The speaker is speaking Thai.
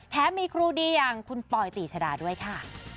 มีครูดีอย่างคุณปอยตีชดาด้วยค่ะ